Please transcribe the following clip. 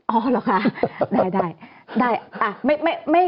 หรอกค่ะได้